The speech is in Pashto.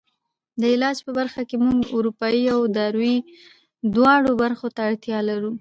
د علاج په برخه کې موږ اروایي او دارویي دواړو برخو ته اړتیا لرو.